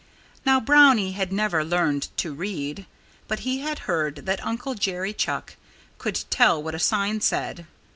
Now, Brownie had never learned to read. But he had heard that Uncle Jerry Chuck could tell what a sign said.